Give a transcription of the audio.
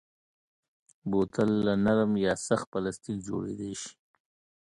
بوتل له نرم یا سخت پلاستیک جوړېدای شي.